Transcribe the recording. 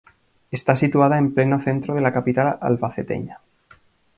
Está situada en pleno Centro de la capital albaceteña.